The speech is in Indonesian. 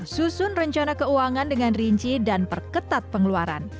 susun rencana keuangan dengan rinci dan perketat pengeluaran